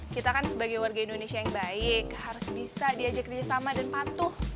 kita kan sebagai warga indonesia yang baik harus bisa diajak kerjasama dan patuh